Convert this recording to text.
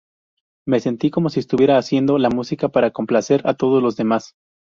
Me sentí como si estuviera haciendo la música para complacer a todos los demás.